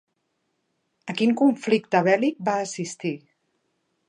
A quin conflicte bèl·lic va assistir?